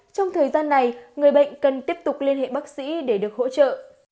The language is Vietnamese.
trong thời gian này người bệnh cần tiếp tục liên hệ bác sĩ để được hỗ trợ